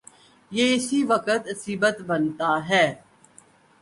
یہ اسی وقت عصبیت بنتا ہے۔